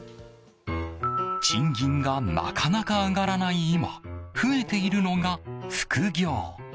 賃金がなかなか上がらない今増えているのが副業。